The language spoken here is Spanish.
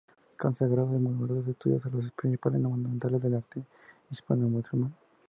Consagró numerosos estudios a los principales monumentos del arte hispanomusulmán.